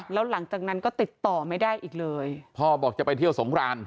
แล้วหลังจากนั้นก็ติดต่อไม่ได้อีกเลยพ่อบอกจะไปเที่ยวสงคราน